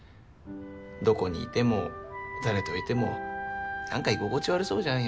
どこにいても誰といても何か居心地悪そうじゃん